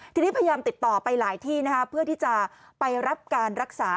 ทีนี้พยายามติดต่อไปหลายที่นะคะเพื่อที่จะไปรับการรักษา